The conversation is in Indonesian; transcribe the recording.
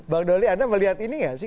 bang dolly anda melihat ini gak sih